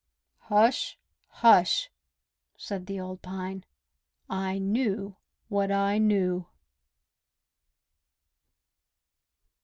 "Hush! hush!" said the old Pine. "I knew what I knew."